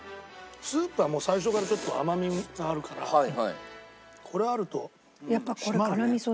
スープはもう最初からちょっと甘みがあるからこれあると締まるね。